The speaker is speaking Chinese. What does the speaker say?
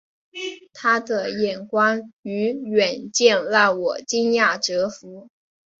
他的眼光与远见让我惊讶折服